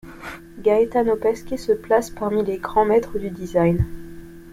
Gaetano Pesce se place parmi les grands maîtres du design.